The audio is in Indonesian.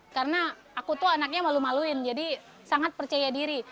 karena aku tuh anaknya malu maluin jadi sangat percaya diri